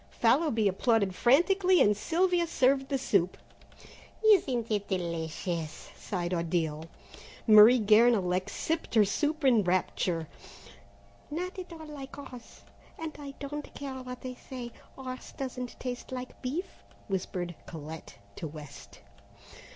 Fallowby applauded frantically, and Sylvia served the soup. "Isn't it delicious?" sighed Odile. Marie Guernalec sipped her soup in rapture. "Not at all like horse, and I don't care what they say, horse doesn't taste like beef," whispered Colette to West.